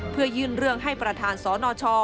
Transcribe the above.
เพื่อยื่นเรื่องให้ประธานสนช